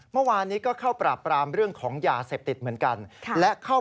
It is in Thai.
เปิดให้เขาเปลี่ยนเชื้อผ้าก่อน